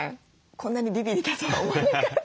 こんなにビビリだとは思わなかったっていう。